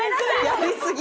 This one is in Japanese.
やりすぎ！